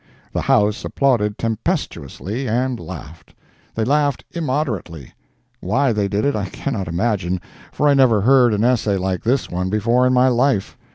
The House applauded tempestuously—and laughed. They laughed immoderately. Why they did it, I cannot imagine, for I never heard an essay like this one before in my life.